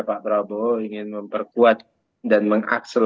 pak prabowo yang dimaksud orang toksik jangan dibawa ke pemerintahan itu siapa